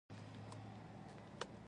ټرانسپورټ د اقتصاد رګونه دي